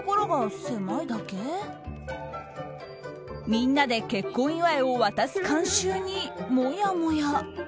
みんなで結婚祝いを渡す慣習にもやもや。